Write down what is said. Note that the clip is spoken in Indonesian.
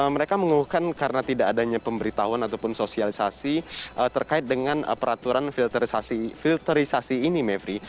mereka mengeluhkan karena tidak adanya pemberitahuan ataupun sosialisasi terkait dengan peraturan filterisasi ini mevri